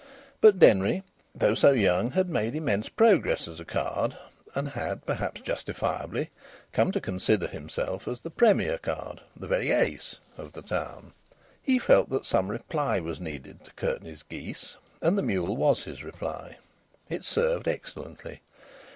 But Denry, though so young, had made immense progress as a card, and had, perhaps justifiably, come to consider himself as the premier card, the very ace, of the town. He felt that some reply was needed to Curtenty's geese, and the mule was his reply. It served excellently.